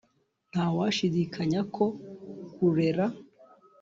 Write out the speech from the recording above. Nta washidikanya ko kurera